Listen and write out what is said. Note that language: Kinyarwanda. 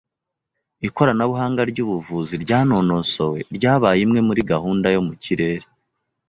Ikoranabuhanga ryubuvuzi ryanonosowe ryabaye imwe muri gahunda yo mu kirere.